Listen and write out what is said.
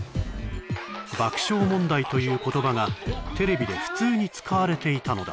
爆笑問題という言葉がテレビで普通に使われていたのだ